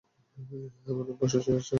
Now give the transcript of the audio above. আমরা বসে আছ।